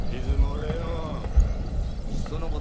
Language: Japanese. いっその事